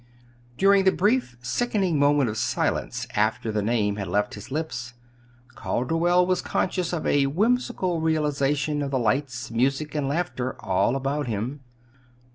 During the brief, sickening moment of silence after the name had left his lips, Calderwell was conscious of a whimsical realization of the lights, music, and laughter all about him.